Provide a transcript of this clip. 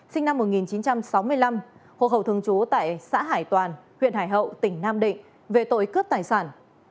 sinh năm một nghìn chín trăm sáu mươi năm hộp hậu thường chú tại xã hải toàn huyện hải hậu tỉnh nam định về tội cướp tài sản